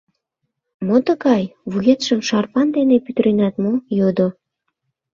— Мо тыгай, вуетшым шарпан дене пӱтыренат мо? — йодо.